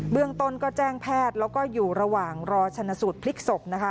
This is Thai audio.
เรื่องต้นก็แจ้งแพทย์แล้วก็อยู่ระหว่างรอชนสูตรพลิกศพนะคะ